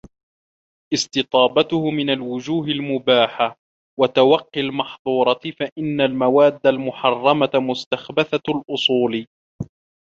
اسْتِطَابَتُهُ مِنْ الْوُجُوهِ الْمُبَاحَةِ وَتَوَقِّي الْمَحْظُورَةِ فَإِنَّ الْمَوَادَّ الْمُحَرَّمَةَ مُسْتَخْبَثَةُ الْأُصُولِ